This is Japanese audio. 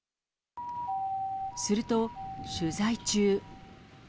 すると、取材中。